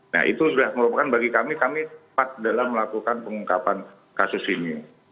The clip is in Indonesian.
nah itu sudah merupakan bagi kami kami tepat dalam melakukan pengungkapan kasus ini